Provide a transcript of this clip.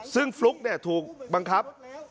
ซึ่งฟลุ๊กเนี่ยถูกบังคับ